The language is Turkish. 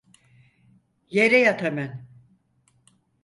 Yere yat hemen!